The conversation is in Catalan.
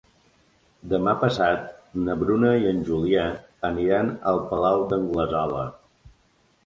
Demà passat na Bruna i en Julià aniran al Palau d'Anglesola.